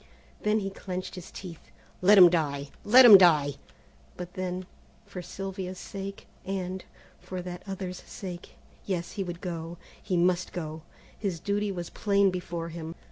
Then he clinched his teeth. "Let him die! Let him die!" but then, for Sylvia's sake, and, for that other's sake, Yes, he would go, he must go, his duty was plain before him.